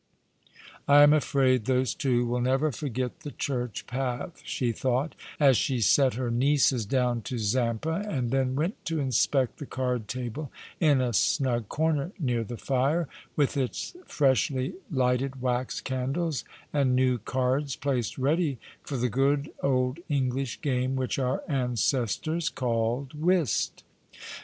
" I am afraid those two will never forget the church path," she thought, as she set her nieces down to Zampa, and then went to inspect the card table in a snug corner near the fire, with its freshly lighted wax candles, and new cards placed ready for the good old English game which our ancestors called whist.